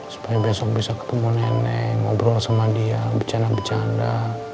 supaya besok bisa ketemu nenek ngobrol sama dia bercanda bercanda